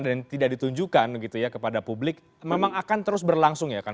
dan tidak ditunjukkan gitu ya kepada publik memang akan terus berlangsung ya kan